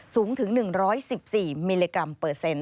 สูงถึง๑๑๔มิลลิกรัมเปอร์เซ็นต์